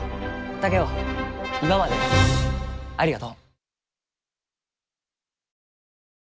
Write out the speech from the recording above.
竹雄今までありがとう。